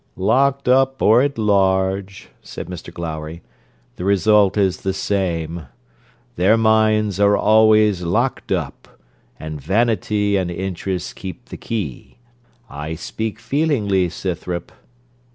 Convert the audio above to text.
'Locked up or at large,' said Mr Glowry, 'the result is the same: their minds are always locked up, and vanity and interest keep the key. I speak feelingly, Scythrop.'